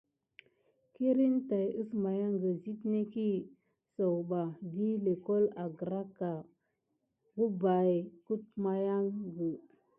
Kirne tàt əsmaya site netki sakuɓa vi lʼékokle angraka wubaye kudmakiyague.